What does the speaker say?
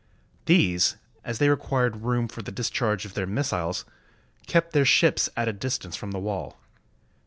These, as they required room for the discharge of their missiles, kept their ships at a distance from the wall.